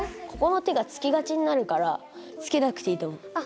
ここの手がつきがちになるからつけなくていいと思う。